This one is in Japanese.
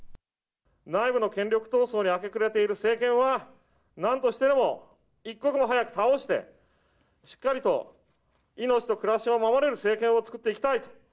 内部の権力闘争に明け暮れている政権は、なんとしてでも、一刻も早く倒して、しっかりと命と暮らしを守れる政権を作っていきたい。